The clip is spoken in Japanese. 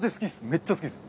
めっちゃ好きです。